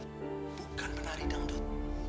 bukan menari dangdut